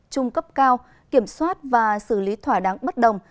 trung cấp cao kiểm soát và xử lý thỏa đáng bất đồng